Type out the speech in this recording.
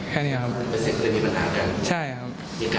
แค่นี้ครับ